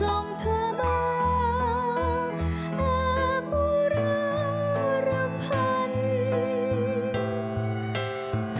แอบหุระรัมพันธ์